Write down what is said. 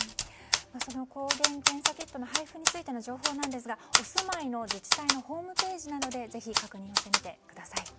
抗原検査キットの配布についての情報ですがお住まいの自治体のホームページなどでぜひ確認してみてください。